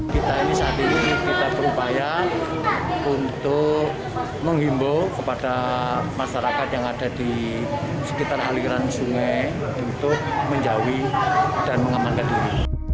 kita ini saat ini kita berupaya untuk menghimbau kepada masyarakat yang ada di sekitar aliran sungai untuk menjauhi dan mengamankan diri